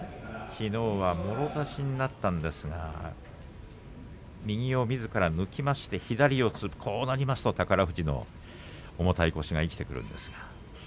きのうはもろ差しになったんですが右をみずから抜いて左四つこうなりますと宝富士の重い腰が生きてきます。